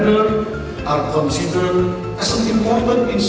dipertimbangkan sebagai instrumen penting